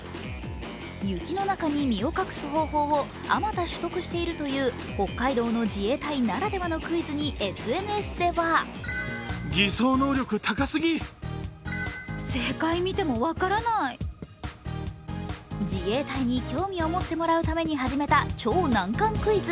雪の中に身を隠す方法をあまた取得しているという北海道の自衛隊ならではのクイズにＳＮＳでは自衛隊に興味を持ってもらうために始めた超難解クイズ。